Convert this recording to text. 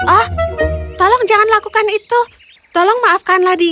oh tolong jangan lakukan itu tolong maafkanlah dia